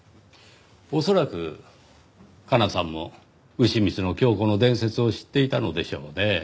恐らく加奈さんもうしみつのキョウコの伝説を知っていたのでしょうねぇ。